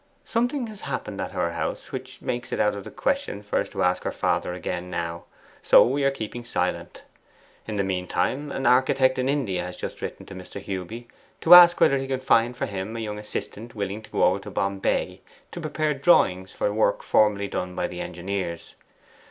Something has happened at her house which makes it out of the question for us to ask her father again now. So we are keeping silent. In the meantime an architect in India has just written to Mr. Hewby to ask whether he can find for him a young assistant willing to go over to Bombay to prepare drawings for work formerly done by the engineers.